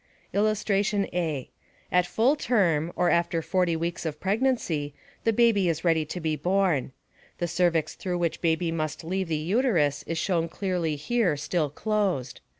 [Illustration: A. At full term, or after 40 weeks of pregnancy, the baby is ready to be born. The cervix through which baby must leave the uterus is shown clearly here, still closed.